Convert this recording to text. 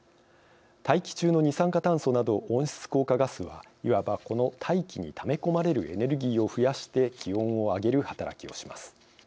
大気中の二酸化炭素など温室効果ガスは言わば、この大気にため込まれるエネルギーを増やして気温を上げる働きをします。